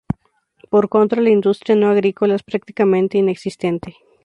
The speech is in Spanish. Por contra, la industria no agrícola es prácticamente inexistente.